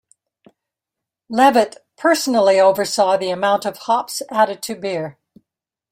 Levett personally oversaw the amount of hops added to beer.